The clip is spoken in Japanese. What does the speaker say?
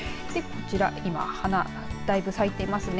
今、花だいぶ咲いてますね。